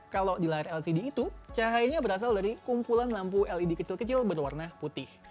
kalau di layar lcd itu cahayanya berasal dari kumpulan lampu led kecil kecil berwarna putih